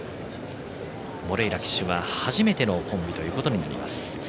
モレイラ騎手は初めてのコンビということになります。